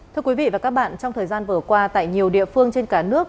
thưa quý vị và các bạn trong thời gian vừa qua tại nhiều địa phương trên cả nước